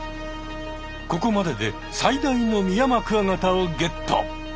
ここまでで最大のミヤマクワガタをゲット。